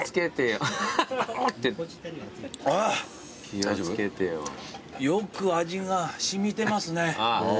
よく味が染みてますね。